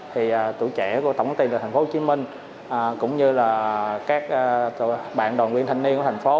thì tuổi trẻ của tổng công ty tp hcm cũng như là các bạn đoàn viên thanh niên của thành phố